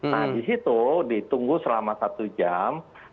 nah di situ ditunggu selama satu jam